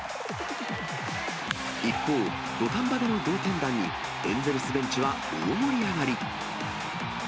一方、土壇場での同点弾に、エンゼルスベンチは大盛り上がり。